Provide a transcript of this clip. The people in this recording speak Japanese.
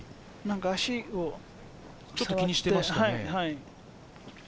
足をちょっと気にしていましたね。